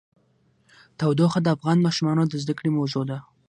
تودوخه د افغان ماشومانو د زده کړې موضوع ده.